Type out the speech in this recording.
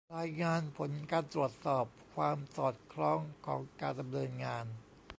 รายงานผลการตรวจสอบความสอดคล้องของการดำเนินงาน